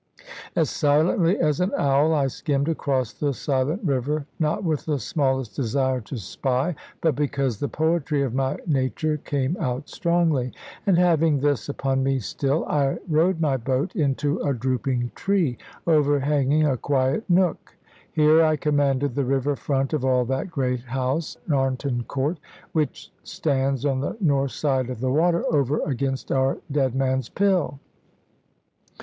As silently as an owl I skimmed across the silent river, not with the smallest desire to spy, but because the poetry of my nature came out strongly. And having this upon me still, I rowed my boat into a drooping tree, overhanging a quiet nook. Here I commanded the river front of all that great house, Narnton Court, which stands on the north side of the water over against our Deadman's Pill.